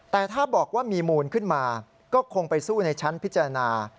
แต่ถ้าบอกว่ามีมูลขึ้นมาก็คงไปสู้ในชั้นพิจารณา